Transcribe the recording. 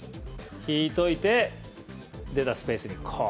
引いといて出たスペースに。